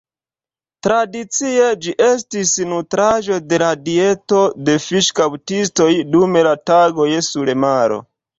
Tradicie ĝi estis nutraĵo de la dieto de fiŝkaptistoj dum la tagoj sur maro.